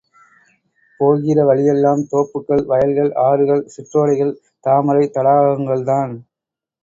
போகிற வழியெல்லாம் தோப்புகள், வயல்கள், ஆறுகள், சிற்றோடைகள், தாமரைத் தடாகங்கள்தான்.